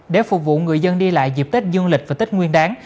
để phục vụ người dân đi lại dịp tết dương lịch và tết nguyên đáng